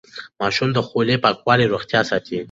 د ماشوم د خولې پاکوالی روغتيا ساتي.